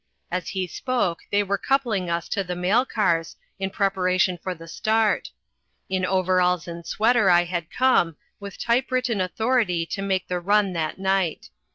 As he spoke they were coupling us to the mail cars, in preparation for the start. In overalls and sweater I had come, with type written authority to make the run that night.